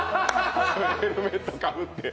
ヘルメットかぶって。